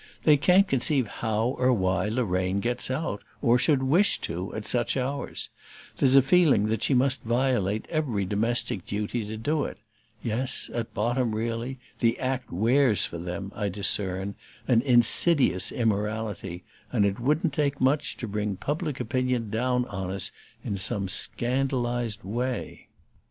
They can't conceive how or why Lorraine gets out, or should wish to, at such hours; there's a feeling that she must violate every domestic duty to do it; yes, at bottom, really, the act wears for them, I discern, an insidious immorality, and it wouldn't take much to bring "public opinion" down on us in some scandalized way.